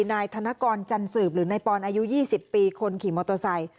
นายธนกรจันสืบหรือนายปอนอายุ๒๐ปีคนขี่มอเตอร์ไซค์